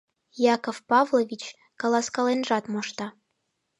— Яков Павлович каласкаленжат мошта.